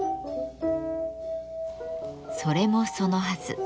それもそのはず。